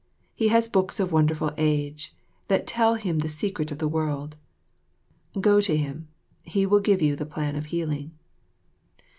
He has books of wonderful age, that tell him the secret of the world. Go to him; he will give you the plan of healing."